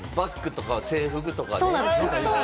バックとか制服とかね。